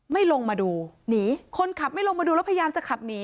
ลงมาดูหนีคนขับไม่ลงมาดูแล้วพยายามจะขับหนี